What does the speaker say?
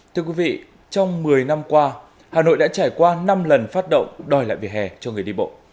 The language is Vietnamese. thưa quý vị trong một mươi năm qua hà nội đã trải qua năm lần phát động đòi lại vỉa hè cho người đi bộ